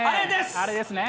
あれです。